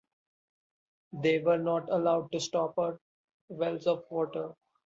They were not allowed to stop up wells of water.